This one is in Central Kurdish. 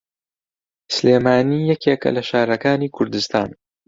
سلێمانی یەکێکە لە شارەکانی کوردستان.